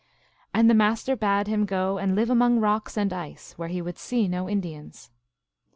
And the Master bade him go and live among rocks and ice, where he would see no Indians.